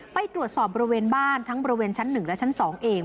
ไปตรวจสอบบริเวณบ้านทั้งบริเวณชั้น๑และชั้น๒เอง